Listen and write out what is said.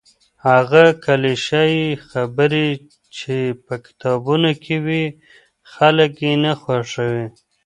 هغه کليشه يي خبرې چي په کتابونو کي وي خلګ يې نه خوښوي.